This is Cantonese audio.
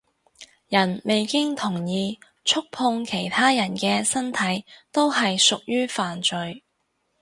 人未經同意觸碰其他人嘅身體都係屬於犯罪